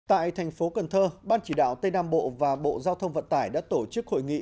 tại thành phố cần thơ ban chỉ đạo tây nam bộ và bộ giao thông vận tải đã tổ chức hội nghị